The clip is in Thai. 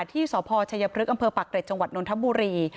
ที่สชพฤษอำเภอปักเกร็จจนทบุรี